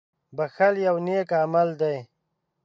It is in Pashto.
• بښل یو نېک عمل دی.